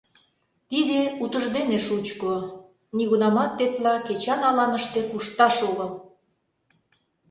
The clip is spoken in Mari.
— Тиде утыждене шучко... нигунамат тетла кечан аланыште кушташ огыл!